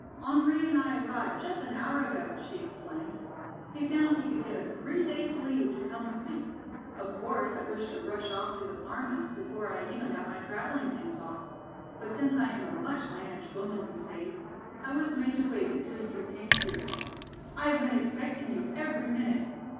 "Henri and I arrived just an hour ago," she explained. "He found he could get a three days leave to come with me. Of course, I wished to rush off to the farmhouse before I even got my traveling things off. But since I am a much managed woman these days, I was made to wait until you came here. I have been expecting you every minute.